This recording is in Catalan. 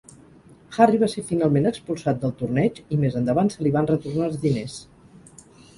Harry va ser finalment expulsat del torneig i més endavant se li van retornar els diners.